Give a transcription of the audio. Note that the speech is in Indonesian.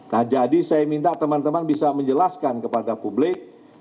nah jadi saya minta teman teman bisa menjelaskan kepada publik